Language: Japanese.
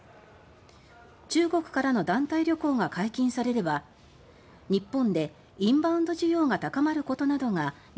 中国からの団体旅行が解禁されれば日本でインバウンド需要が高まることなどが予想されます。